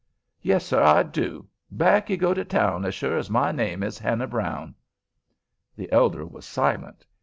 "Yes, sir, I do. Back you go to town as sure as my name is Hannah Brown." The elder was silent.